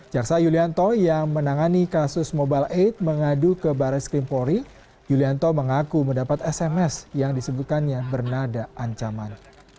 jaksa yulianto yang menangani kasus mobile aid mengadu ke baris krimpori yulianto mengaku mendapat sms yang disebutkannya bernada ancaman